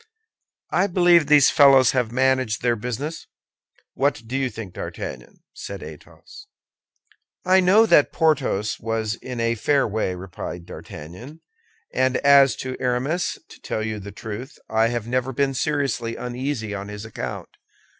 "I believe these fellows have managed their business. What do you think, D'Artagnan?" said Athos. "I know that Porthos was in a fair way," replied D'Artagnan; "and as to Aramis to tell you the truth, I have never been seriously uneasy on his account.